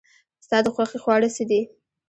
ستا د خوښې خواړه څه دي؟